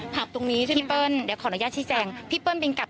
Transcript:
พับตรงนี้ใช่มั้ยครับ